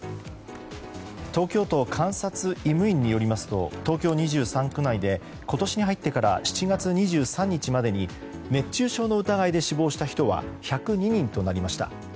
東京都監察医務院によりますと東京２３区内で今年に入ってから７月２３日までに熱中症の疑いで死亡した人は１０２人となりました。